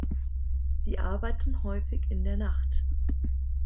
Sie arbeiten häufig in der Nacht.